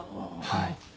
はい。